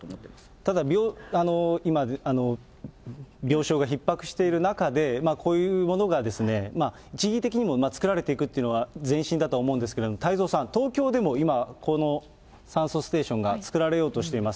ただ、今、病床がひっ迫している中で、こういうものが一義的にも作られていくというのは前進だと思うんですけれども、太蔵さん、東京でも今、この酸素ステーションが作られようとしています。